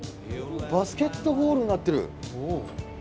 バスケットゴールになってる！